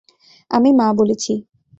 আমি মা বলেছি।